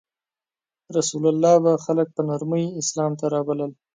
رسول الله به خلک په نرمۍ اسلام ته رابلل.